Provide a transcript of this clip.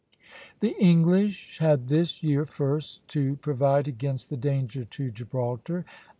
The English had this year first to provide against the danger to Gibraltar.